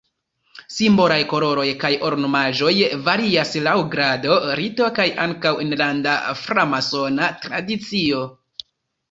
Simbolaj koloroj kaj ornamaĵoj varias laŭ grado, rito kaj ankaŭ enlanda framasona tradicio.